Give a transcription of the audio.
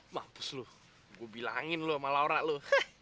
mampus lu gua bilangin lu sama laura lu